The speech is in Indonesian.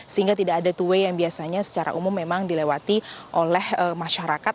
sehingga tidak ada tway yang biasanya secara umum memang dilewati oleh masyarakat